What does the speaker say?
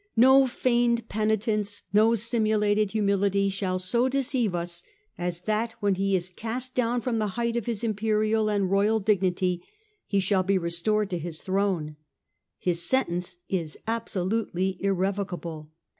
" No feigned penitence, no simulated humility shall so deceive us, as that when he is cast down from the height of his Imperial and royal dignity he should be restored to his throne. His sen tence is absolutely irrevocable